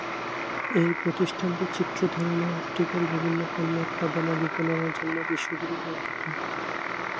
এই প্রতিষ্ঠানটি চিত্রধারণ ও অপটিক্যাল বিভিন্ন পণ্য উৎপাদন ও বিপণনের জন্য বিশ্বজুড়ে পরিচিত।